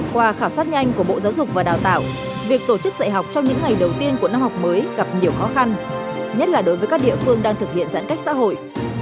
qua khảo sát nhanh của bộ giáo dục và đào tạo việc tổ chức dạy học trong những ngày đầu tiên của năm học mới gặp nhiều khó khăn nhất là đối với các địa phương đang thực hiện giãn cách xã hội